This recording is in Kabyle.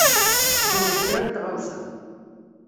Swemt kra n tɣawsa.